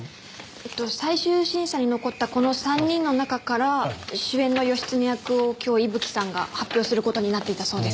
えっと最終審査に残ったこの３人の中から主演の義経役を今日伊吹さんが発表する事になっていたそうです。